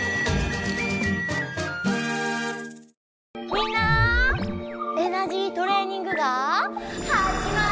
みんなエナジートレーニングがはじまるよ！